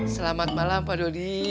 selamat malam pak dodi